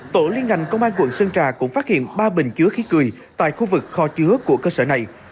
tổ liên ngành công an quận sơn trà cũng phát hiện ba bình chứa khí cười tại khu vực kho chứa của cơ sở này